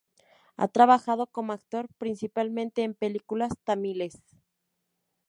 Ha trabajado como actor, principalmente en películas tamiles.